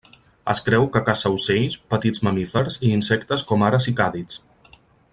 Es creu que caça ocells, petits mamífers i insectes com ara cicàdids.